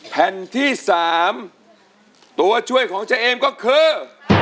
แผ่นที่๓ตัวช่วยของเจเอมก็คือ